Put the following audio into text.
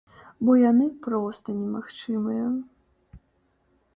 Бо яны проста немагчымыя!